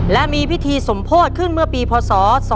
และมีพิธีสมโพธิขึ้นเมื่อปีพศ๒๕๖